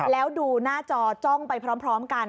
แล้วดูหน้าจอจ้องไปพร้อมกัน